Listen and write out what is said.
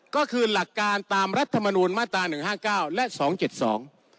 ก็คือหลักการตามรัฐมนูลมาตราหนึ่งห้าเก้าและสองเจ็ดสอง